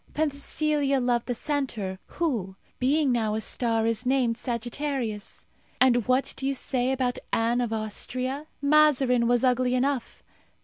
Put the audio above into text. Penthesilea loved the centaur, who, being now a star, is named Sagittarius. And what do you say about Anne of Austria? Mazarin was ugly enough!